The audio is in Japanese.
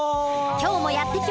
今日もやって来ました。